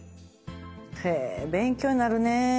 へぇ勉強になるねぇ。